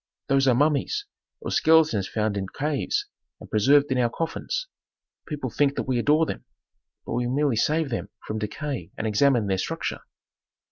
Those are mummies, or skeletons found in caves and preserved in our coffins. People think that we adore them, but we merely save them from decay and examine their structure."